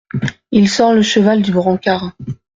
Il sort le cheval du brancard.